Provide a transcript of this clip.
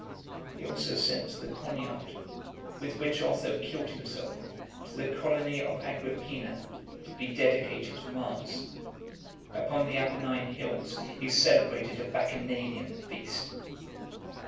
He also sent the poniard, with which Otho killed himself, to the colony of Agrippina , to be dedicated to Mars. Upon the Appenine hills he celebrated a Bacchanalian feast.